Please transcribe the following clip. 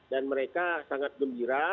dan mereka sangat gembira